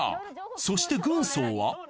そして軍曹は。